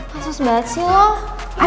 kasus banget sih lo